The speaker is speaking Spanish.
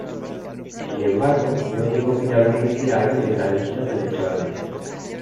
Sin embargo, no llegó finalmente a ir en las listas electorales.